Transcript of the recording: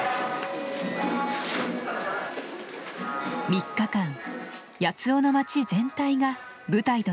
３日間八尾の町全体が舞台となります。